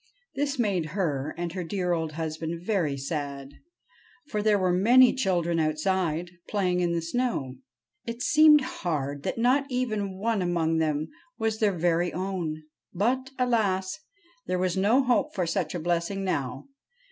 This made her and her dear old husband very sad, for there were many children outside, playing in the snow. It seemed hard that not even one among them was their very own. But alas ! there was no hope for such a blessing now.